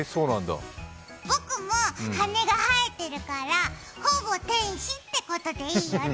僕も羽が生えてるから、ほぼ天使ってことでいいよね？